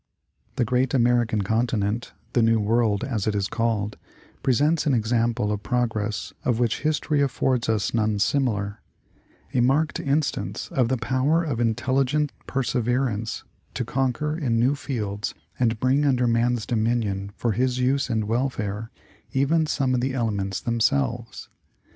The great American continent, the New World as it is called, presents an example of progress of which history affords us none similar — a marked instance of the power of intelligent persever ance to conquer in new fields and bring under man's dominion for his use and welfare even some of the elements themselves.